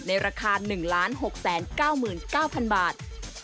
ในราคา๑๖๙๙๐๐บาท